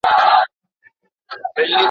فارابي ويلي دي چي نېکمرغي په تقوی کي ده.